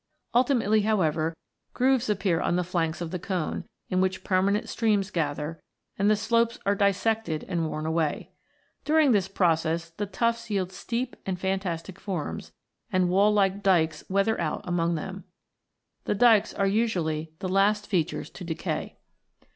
Ultimately, however, grooves appear on the flanks of the cone, in which permanent streams gather, and the slopes are dissected and worn away. During this process, the tuffs yield steep and fantastic forms, and wall like dykes weather out among them. The dykes are usually the last features to decay.